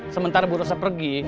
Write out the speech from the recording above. sementara bu rosa pergi